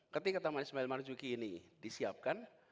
ketika taman ismail marzuki ini disiapkan